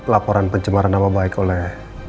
laporan pencemaran nama baik oleh